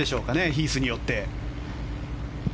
ヒースによって。